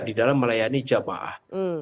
di dalam melayani jamaah